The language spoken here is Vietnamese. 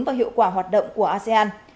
và hiệu quả hoạt động của asean